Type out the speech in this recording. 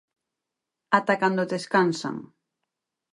Ata cando descansan.